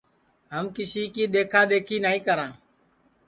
ہم کِسی کی دؔیکھا دؔیکھی نائی کراں